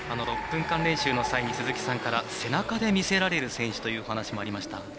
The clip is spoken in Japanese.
６分間練習の際に鈴木さんから背中で魅せられる選手というお話もありました。